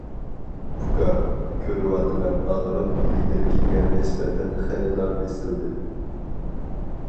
-ئۇكا، كۆرۈۋاتىمەن ئاغرىق ئىلگىرىكىگە نىسبەتەن خېلىلا بېسىلدى.